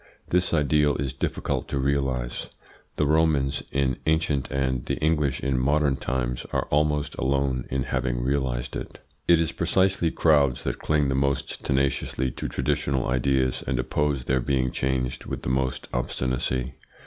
This ideal is difficult to realise. The Romans in ancient and the English in modern times are almost alone in having realised it. It is precisely crowds that cling the most tenaciously to traditional ideas and oppose their being changed with the most obstinacy.